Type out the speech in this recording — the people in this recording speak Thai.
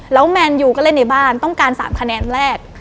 แล้วแมนยูก็เล่นในบ้านต้องการ๓คะแนนแรก